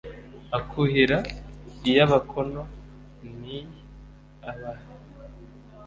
akuhira iy' abakóno n íiy abaha